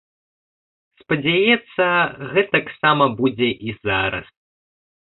Спадзяецца, гэтаксама будзе і зараз.